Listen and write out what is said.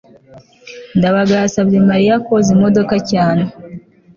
ndabaga yasabye mariya koza imodoka cyane